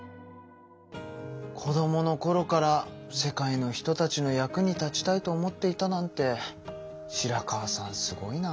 子どものころから世界の人たちの役に立ちたいと思っていたなんて白川さんすごいな。